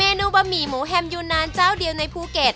นูบะหมี่หมูแฮมยูนานเจ้าเดียวในภูเก็ต